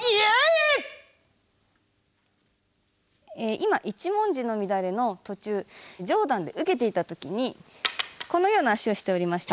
今「一文字の乱」の途中上段で受けていた時にこのような足をしておりました。